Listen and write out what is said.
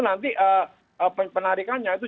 nanti penarikannya itu